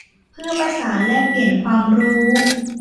เพื่อประสานแลกเปลี่ยนความรู้